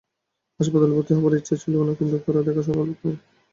হাসপাতালে ভর্তি হবার ইচ্ছাও ছিল না, কিন্তু ঘরে দেখাশোনার লোক নেই।